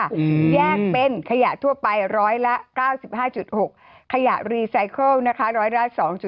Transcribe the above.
แยกเป็นขยะทั่วไปร้อยละ๙๕๖ขยะรีไซเคิลนะคะร้อยละ๒๕